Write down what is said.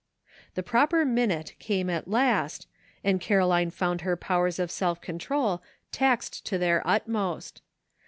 '* The "proper minute" came at last, and Caroline found her powers of self control taxed to their utmost.